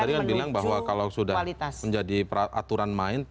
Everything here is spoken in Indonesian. tapi mbak eva tadi kan bilang bahwa kalau sudah menjadi peraturan main seharusnya tidak diotakkan